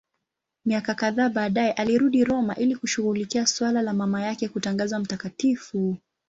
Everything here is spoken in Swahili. Miaka kadhaa baadaye alirudi Roma ili kushughulikia suala la mama yake kutangazwa mtakatifu.